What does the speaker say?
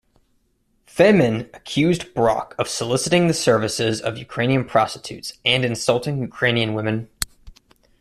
Femen accused Brok of soliciting the services of Ukrainian prostitutes and insulting Ukrainian women.